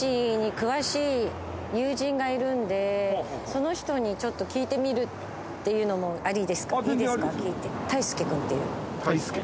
その人に聞いてみるっていうのもありですか？